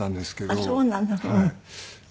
あっそうなの。